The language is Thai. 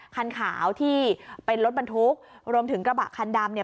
คันขาวที่เป็นรถบรรทุกรวมถึงกระบะคันดำเนี่ย